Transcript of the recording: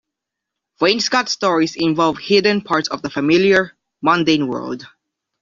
Wainscot stories involve hidden parts of the familiar, mundane world.